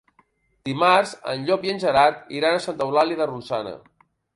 Dimarts en Llop i en Gerard iran a Santa Eulàlia de Ronçana.